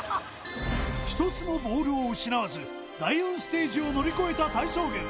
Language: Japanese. １つもボールを失わず第４ステージを乗り越えた体操軍